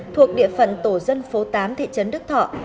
thuộc địa phận tổ dân phố tám thị trấn đức thọ